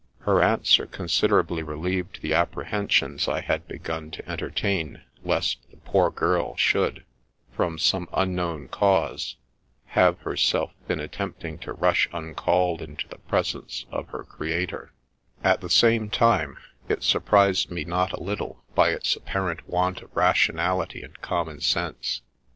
Her answer considerably relieved the apprehensions I had begun to entertain lest the poor girl should, from some unknown cause, have herself been attempting to rush uncalled into the presence of her Creator ; at the same time, it surprised me not a little by its apparent want of rationality and common sense.